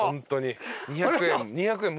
２００円